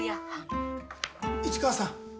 市川さん！